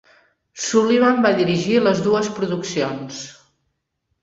Sullivan va dirigir les dues produccions.